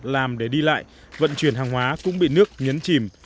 làm để đi lại vận chuyển hàng hóa cũng bị nước nhấn chìm